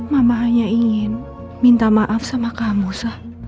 mama hanya ingin minta maaf sama kamu